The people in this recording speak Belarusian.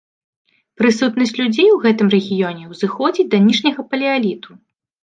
Прысутнасць людзей у гэтым рэгіёне ўзыходзіць да ніжняга палеаліту.